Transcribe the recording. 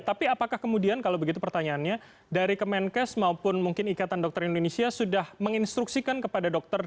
tapi apakah kemudian kalau begitu pertanyaannya dari kemenkes maupun mungkin ikatan dokter indonesia sudah menginstruksikan kepada dokter